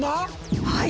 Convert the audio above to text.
はい。